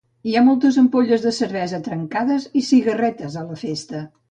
Hi ha moltes ampolles de cervesa trencades i cigarretes a la festa.